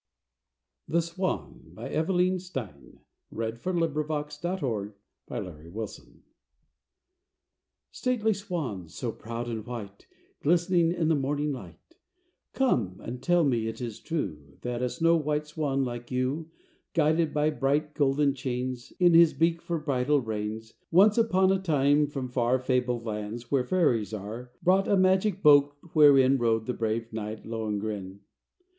Fickle still you must remain Long as winds blow, weather vane! THE SWAN Stately swan, so proud and white Glistening in the morning light, Come and tell me is it true That a snow white swan like you, Guided by bright golden chains In his beak for bridle reins, Once upon a time from far Fabled lands where fairies are Brought a magic boat wherein Rode the brave knight Lohengrin?